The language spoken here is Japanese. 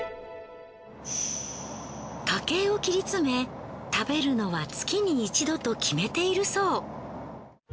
家計を切り詰め食べるのは月に一度と決めているそう。